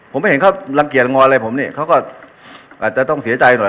ผมไม่เห็นเขารังเกียจลังงออะไรผมนี่เขาก็อาจจะต้องเสียใจหน่อย